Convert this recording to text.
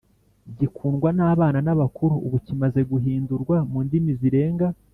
Gikundwa n’abana n’abakuru Ubu kimaze guhindurwa mu ndimi zirenga !